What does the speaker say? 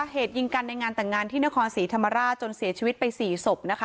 เหตุยิงกันในงานแต่งงานที่นครศรีธรรมราชจนเสียชีวิตไป๔ศพนะคะ